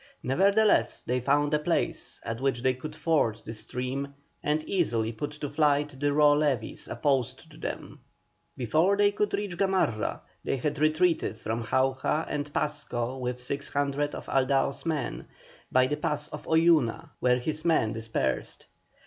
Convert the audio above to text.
Nevertheless they found a place at which they could ford the stream and easily put to flight the raw levies opposed to them. Before they could reach Gamarra, he had retreated from Jauja and Pasco with 600 of Aldao's men, by the pass of Oyuna, where his men dispersed.